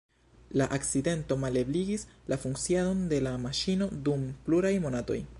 La akcidento malebligis la funkciadon de la maŝino dum pluraj monatoj.